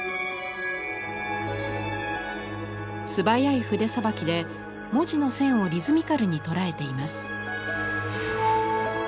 素早い筆さばきで文字の線をリズミカルに捉えています。